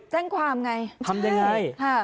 แจ้งความไงใช่